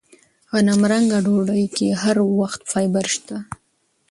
غنمرنګه ډوډۍ کې هر وخت فایبر شته.